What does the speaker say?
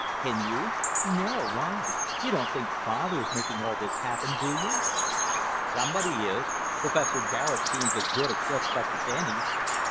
"Can you?" "No. Why? You don't think Father is making all this happen, do you?" "Somebody is. Professor Garet seems as good a suspect as any."